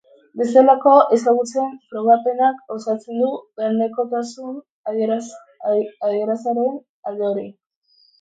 Bestelako ezagutzetan frogapenak osatzen du barnekotasun adieraziaren alde hori.